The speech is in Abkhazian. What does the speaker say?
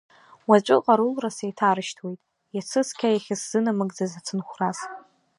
Уаҵәы ҟарулра сеиҭарышьҭуеит, иацы цқьа иахьысзынамыгӡаз ацынхәрас.